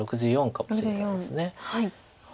６４かもしれないです。